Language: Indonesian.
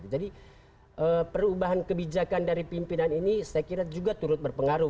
jadi perubahan kebijakan dari pimpinan ini saya kira juga turut berpengaruh